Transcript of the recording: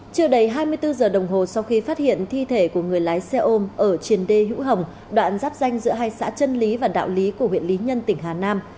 chưa đầy hai mươi bốn giờ đồng hồ sau khi phát hiện thi thể của người lái xe ôm ở triền đê hữu hồng đoạn giáp danh giữa hai xã trân lý và đạo lý của huyện lý nhân tỉnh hà nam